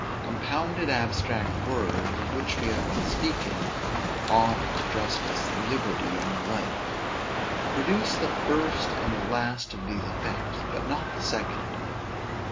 Compounded abstract words, of which we have been speaking, (honor, justice, liberty, and the like,) produce the first and the last of these effects, but not the second.